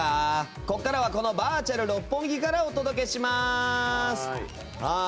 ここからはバーチャル六本木からお届けします。